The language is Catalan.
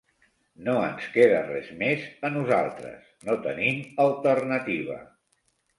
No ens queda res més, a nosaltres. No tenim alternativa.